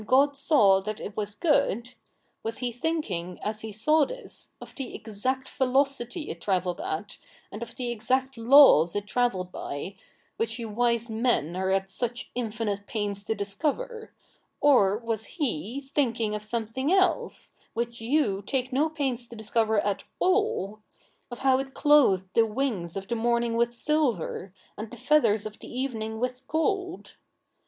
i God saw that it was good," was He thinking, as He saw this, of the exact velocity it travelled at, and of the exact laws it travelled by, which you wise men are at such infinite pains to discover ; or was He thinking of some thing else, which you take no pains to discover at all — of how it clothed the wings of the morning with silver, and the feathers of the evening with gold